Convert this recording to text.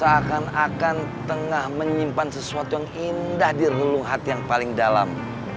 seakan akan tengah menyimpan sesuatu yang indah di reluh hati yang paling dalam